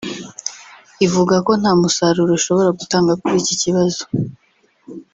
ivuga ko nta musaruro ishobora gutanga kuri iki kibazo